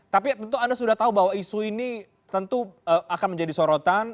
tapi tentu anda sudah tahu bahwa isu ini tentu akan menjadi sorotan